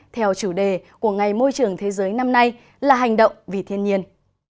theo chủ đề của ngày môi trường thế giới năm nay là hành động vì thiên nhiên